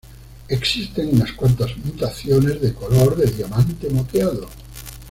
Existen unas cuantas mutaciones de color de diamante moteado.